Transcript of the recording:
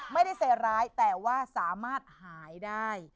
ไม่ได้ใส่ร้ายแต่ว่าสามารถหายได้